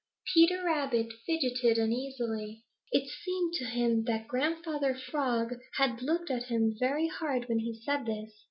Peter Rabbit fidgeted uneasily. It seemed to him that Grandfather Frog had looked at him very hard when he said this.